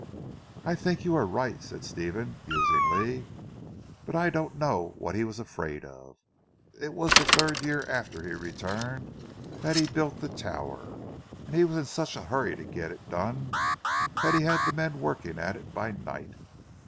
"I think you are right," said Stephen musingly, "but I don't know what he was afraid of. It was the third year after he returned that he built the tower, and he was in such a hurry to get it done, that he had the men working at it by night.